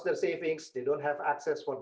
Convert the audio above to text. mereka lebih suka pergi ke restoran